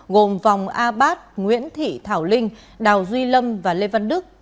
gồm vòng a bát nguyễn thị thảo linh đào duy lâm và lê văn đức